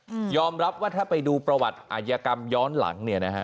อืมยอมรับว่าถ้าไปดูประวัติอาชญากรรมย้อนหลังเนี่ยนะฮะ